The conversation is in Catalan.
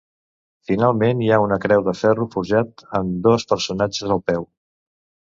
Finalment hi ha una creu de ferro forjat amb dos personatges al peu.